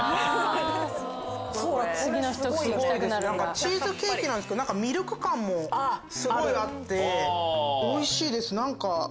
チーズケーキなんですけど何かミルク感もすごいあっておいしいです何か。